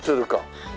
はい。